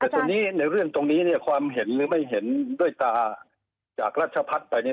แต่ในเรื่องตรงนี้ความเห็นหรือไม่เห็นด้วยตาจากราชพัฒน์ไปนี่